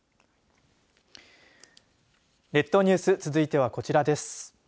列島ニュース続いてはこちらです。